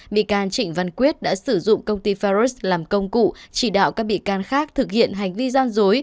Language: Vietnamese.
bị can trịnh văn quyết đã sử dụng công ty faros làm công cụ chỉ đạo các bị can khác thực hiện hành vi gian dối